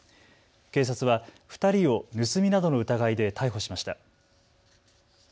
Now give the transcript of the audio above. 警察は２人を盗みなどの疑いで逮捕しました。